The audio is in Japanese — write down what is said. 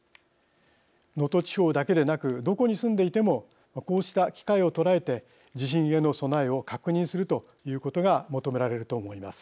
能登地方だけでなくどこに住んでいてもこうした機会を捉えて地震への備えを確認するということが求められると思います。